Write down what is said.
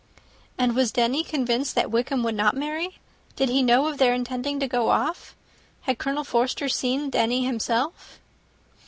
"And was Denny convinced that Wickham would not marry? Did he know of their intending to go off? Had Colonel Forster seen Denny himself?"